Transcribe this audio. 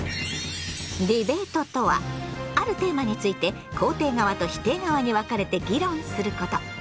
ディベートとはあるテーマについて肯定側と否定側に分かれて議論すること。